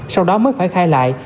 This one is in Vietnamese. sau đó mới phải khai lại